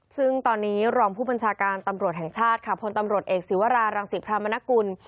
ซึ่งตอนนี้รองผู้บัญชาการตำรวจแห่งชาติค่ะพลตำรวจเอกศิวรารังศิพรามนกุล